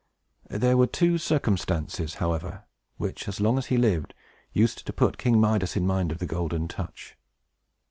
There were two circumstances, however, which, as long as he lived, used to put King Midas in mind of the Golden Touch.